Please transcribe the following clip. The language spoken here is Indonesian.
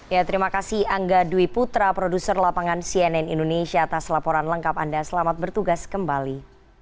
ya terima kasih angga dwi putra produser lapangan cnn indonesia atas laporan lengkap anda selamat bertugas kembali